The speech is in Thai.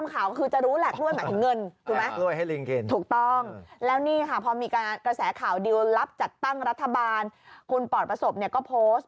นี่ค่ะพอมีกระแสข่าวดิวรับจัดตั้งรัฐบาลคุณปอดประสบเนี่ยก็โพสต์